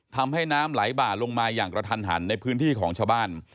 ทำให้น้ำไหลบ่าลงมาอย่างกระทันหันในพื้นที่ของชาวบ้าน